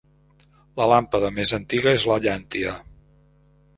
La làmpada més antiga és la llàntia.